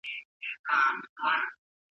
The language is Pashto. هغه وویل چې ژورنالیزم د رڼا لاره ده.